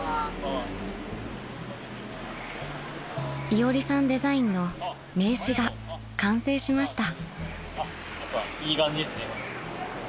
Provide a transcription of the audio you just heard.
［いおりさんデザインの名刺が完成しました］